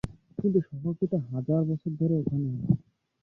কিন্তু শহরটি তো হাজার বছর ধরে ওখানে আছে।